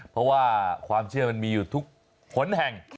เพราะว่าความเชื่อมันมีอยู่ทุกผลแห่ง